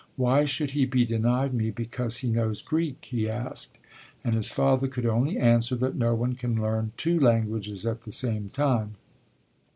Why should he be denied me because he knows Greek? he asked, and his father could only answer that no one can learn two languages at the same time.